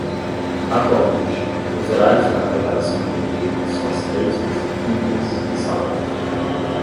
Atualmente, os horários para preparação de pedidos são às terças, quintas e sábados.